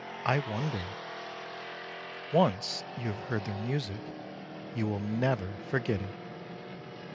I wonder! Once you have heard their music you will never forget it!